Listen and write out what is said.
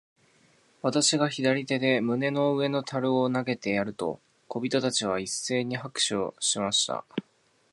私が左手で胸の上の樽を投げてやると、小人たちは一せいに拍手しました。